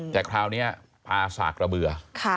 แต่คราวนี้พาสากระเบือ